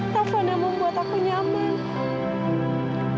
tafan yang membuat aku nyaman